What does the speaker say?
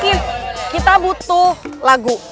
tapi kita butuh lagu